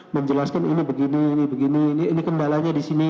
menjelaskan ini begini ini begini ini kendalanya di sini